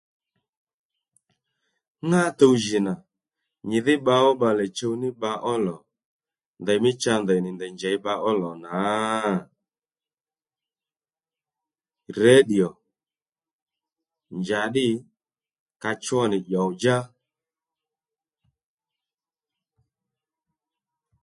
Ŋá tuw jì nà nyìdhí bba ó bbalè chuw ní bba ó lò ndèymí cha ndèy nì ndèy njěy bba ó lò nà? radio njàddǐ ka cho nì dyòw-djá